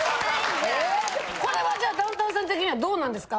これはじゃあダウンタウンさん的にはどうなんですか？